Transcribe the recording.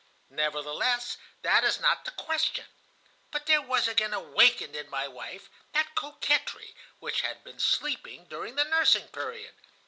Nevertheless, that is not the question; but there was again awakened in my wife that coquetry which had been sleeping during the nursing period.